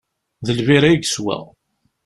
D lbira i yeswa.